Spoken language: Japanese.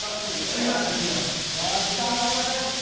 さあ時間がありません。